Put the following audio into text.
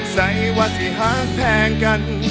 ใส่ว่าสี่หักแพงกัน